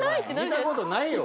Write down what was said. ◆見たことないよ。